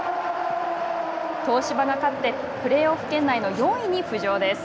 東芝が勝ってプレーオフ圏内の４位に浮上です。